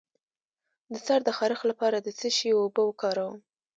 د سر د خارښ لپاره د څه شي اوبه وکاروم؟